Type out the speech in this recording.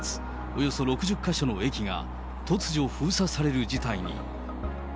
およそ６０か所の駅が突如、封鎖される事態に。